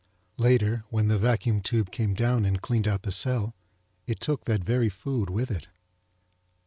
Later, when the vacuum tube came down and cleaned out the cell it took that very food with it.